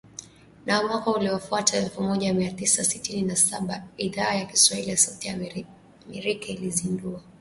Na mwaka uliofuata, elfu moja mia tisa sitini na saba, Idhaa ya Kiswahili ya Sauti ya Amerika ilizindua matangazo ya moja kwa moja kutoka studio